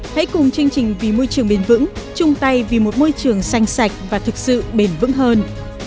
hãy cùng chương trình vì môi trường bền vững chung tay vì một môi trường xanh sạch và thực sự bền vững hơn